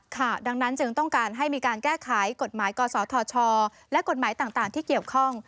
ค่ะดังนั้นจึงต้องการให้มีการแก้ไขกฎหมายกศธชและกฎหมายต่างที่เกี่ยวข้อง